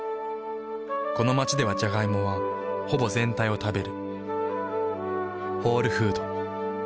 この街ではジャガイモはほぼ全体を食べる。